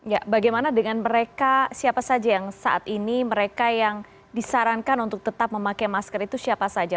ya bagaimana dengan mereka siapa saja yang saat ini mereka yang disarankan untuk tetap memakai masker itu siapa saja